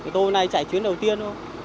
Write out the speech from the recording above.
tôi nay chạy chuyến đầu tiên